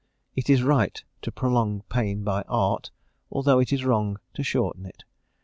It is right to prolong pain by art, although it is wrong to shorten it.